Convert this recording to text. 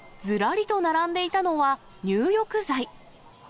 ずらりと並んでいたのは、入浴剤。